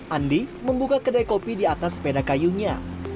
andi membuka kedai kopi di atas sepeda kayunya